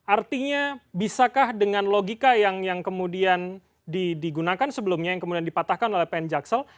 artinya bisakah dengan logika yang kemudian digunakan sebelumnya yang kemudian dipatahkan oleh pn jaksel